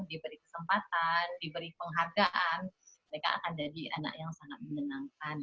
diberi kesempatan diberi penghargaan mereka akan jadi anak yang sangat menyenangkan